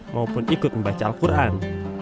maupun ikut membaca al quran